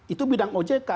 itu bidang ojk